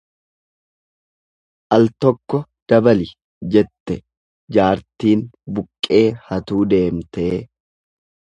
Al tokko dabali jette jaartiin buqqee hatuu deemtee.